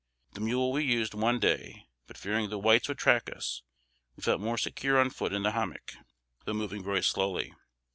The mule we used one day; but fearing the whites would track us, we felt more secure on foot in the hommock, though moving very slowly.